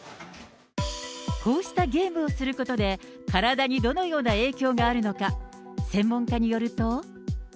こうしたゲームをすることで、体にどのような影響があるのか、専門家によると。